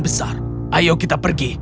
besar ayo kita pergi